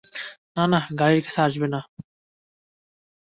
না না, গাড়ির কাছে আসবে না।